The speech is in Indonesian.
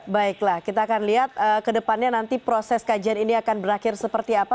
baiklah kita akan lihat ke depannya nanti proses kajian ini akan berakhir seperti apa